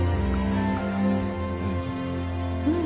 うん。